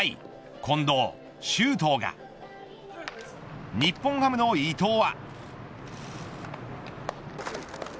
近藤周東が日本ハムの伊藤は。